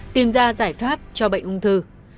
tìm ra giải pháp cho bệnh ung thư